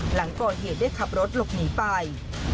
หลังก่อเหตุได้ขับรถหลบหนีไป